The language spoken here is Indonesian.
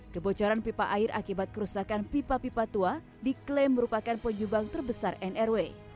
kebocoran pipa air akibat kerusakan pipa pipa tua diklaim merupakan penyumbang terbesar nrw